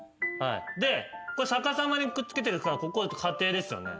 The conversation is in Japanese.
でこれ逆さまにくっつけてるからここ下底ですよね。